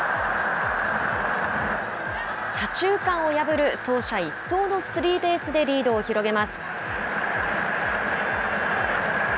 左中間を破る走者一掃のスリーベースでリードを広げます。